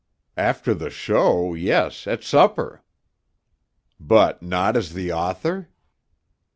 "After the show, yes, at supper." "But not as the author?"